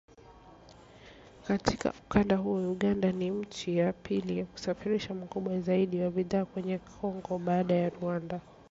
Katika ukanda huo Uganda ni nchi ya pili kwa usafirishaji mkubwa zaidi wa bidhaa kwenda Kongo baada ya Rwanda